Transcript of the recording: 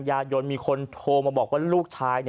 ยายนมีคนโทรมาบอกว่าลูกชาย